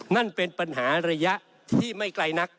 นั่นเป็นปัญหาระยะที่ไม่ไกลนัก